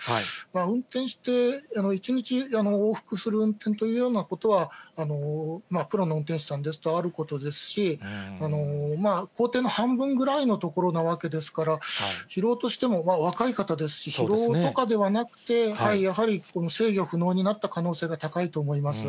運転して、一日往復する運転というようなことは、プロの運転手さんですとあることですし、行程の半分ぐらいのところなわけですから、疲労としても、若い方ですし、疲労とかではなくて、やはり制御不能になった可能性が高いと思います。